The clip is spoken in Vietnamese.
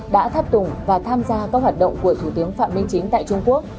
đã tháp tùng và tham gia các hoạt động của thủ tướng phạm minh chính tại trung quốc